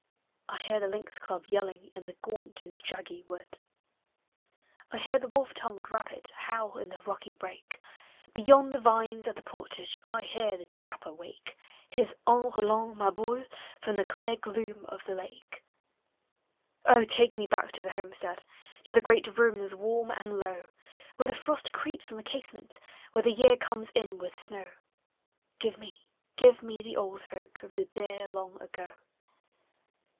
I hear the lynx club yelling In the gaunt and shaggy wood. I hear the wolf tongued rapid Howl in the rocky break; Beyond the vines at the portage 1 hear the trapj>er wake His En ro u hint ma bontc From the clear gloom of the lake. O ! take me back to the homestead. To the great rooms warm and low, Where the frost creeps on the casement, When the year comes in with snow. Give me, give me the old folk Of the dear long ago.